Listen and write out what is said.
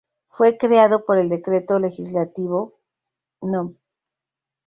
Fue creado por el Decreto Legislativo No.